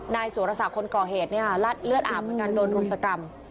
นายสุรษะคนก่อเหตุรัดเลือดอาบเหมือนกันโดนรุมสกรรม